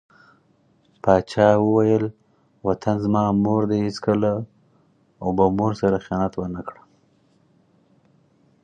پاچا وويل: وطن زما مور دى هېڅکله او به مور سره خيانت ونه کړم .